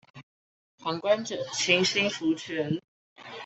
旁觀者清心福全